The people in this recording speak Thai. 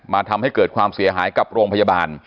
ทำให้เกิดความเสียหายกับโรงพยาบาล